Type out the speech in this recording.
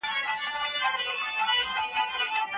ښوونځي ماشومانو ته د ټولنیز ژوند اصول ښيي.